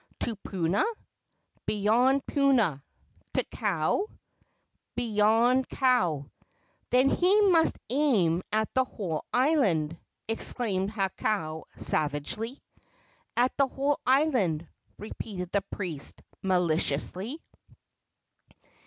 "To Puna?" "Beyond Puna." "To Kau?" "Beyond Kau." "Then he must aim at the whole island," exclaimed Hakau, savagely. "At the whole island," repeated the priest, maliciously.